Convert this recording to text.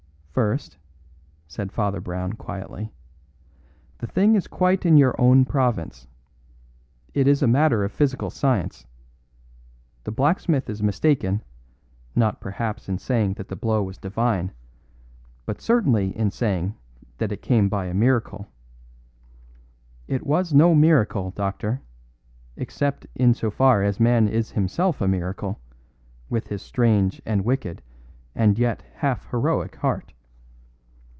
"First," said Father Brown quietly, "the thing is quite in your own province. It is a matter of physical science. The blacksmith is mistaken, not perhaps in saying that the blow was divine, but certainly in saying that it came by a miracle. It was no miracle, doctor, except in so far as man is himself a miracle, with his strange and wicked and yet half heroic heart.